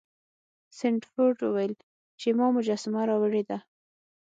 سنډفورډ وویل چې ما مجسمه راوړې ده.